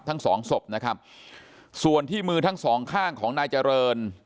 ทั้งสองศพนะครับส่วนที่มือทั้งสองข้างของนายเจริญ